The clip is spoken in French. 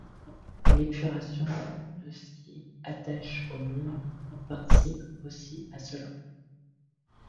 L'épuration de ce qui attache au monde participe aussi à cela.